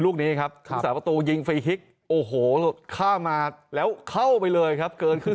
ลูกนี้ครับพุทธศาลตัวนิยมฟรีท็กโห้ข้ามาแล้วเข้าไปเลยครับเกินครึ่ง